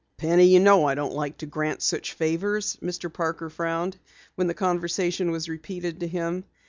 "Penny, you know I don't like to grant such favors," Mr. Parker frowned when the conversation was repeated to him.